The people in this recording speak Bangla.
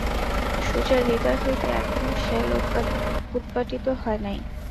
সুজার হৃদয় হইতে এখনো শেল উৎপাটিত হয় নাই।